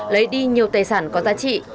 lấy đi nhiều tài sản có giá trị